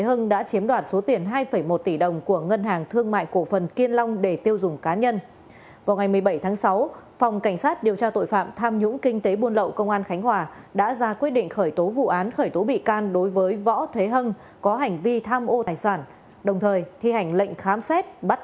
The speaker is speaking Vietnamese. hãy đăng ký kênh để ủng hộ kênh của chúng mình nhé